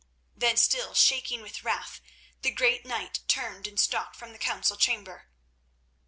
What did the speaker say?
Then, still shaking with wrath, the great knight turned and stalked from the council chamber.